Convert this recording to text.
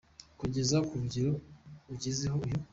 Kugeza Ku rugero agezeho uyu.